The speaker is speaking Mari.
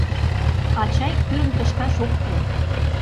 Ачай кӱрын кышкаш ок пу.